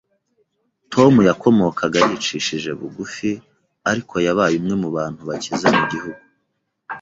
Tom yakomokaga yicishije bugufi, ariko yabaye umwe mu bantu bakize mu gihugu.